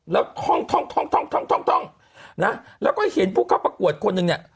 แล้วท่องท่องท่องท่องท่องท่องท่องนะแล้วก็เห็นผู้เข้าประกวดคนหนึ่งเนี่ย